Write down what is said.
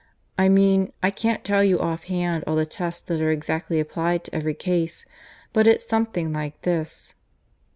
"I mean I can't tell you off hand all the tests that are exactly applied to every case. But it's something like this.